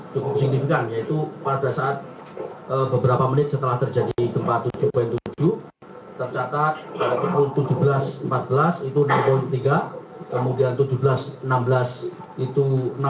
cukup signifikan yaitu pada saat beberapa menit setelah terjadi gempa tujuh tujuh tercatat pada pukul tujuh belas empat belas itu enam tiga kemudian tujuh belas enam belas itu enam